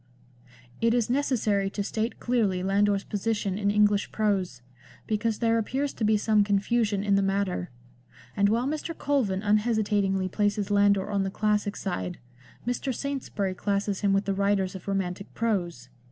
It is necessary to state clearly Landor's position in English prose, because there appears to be some confusion in the matter ; and while Mr. Colvin unhesita tingly places Landor on the classic side, Mr. Saintsbury classes him with the writers of romantic prose.